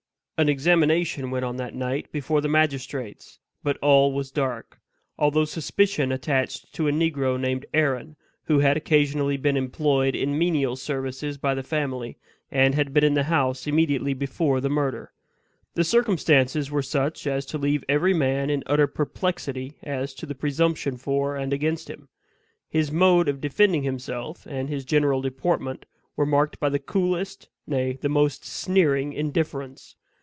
An examination went on that night before the magistrates, but all was dark; although suspicion attached to a negro named Aaron, who had occasionally been employed in menial services by the family, and had been in the house immediately before the murder. The circumstances were such as to leave every man in utter perplexity as to the presumption for and against him. His mode of defending himself, and his general deportment, were marked by the coolest, nay, the most sneering indifference.